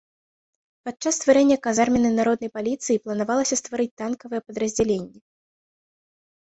Падчас стварэння казарменнай народнай паліцыі планавалася стварыць танкавыя падраздзяленні.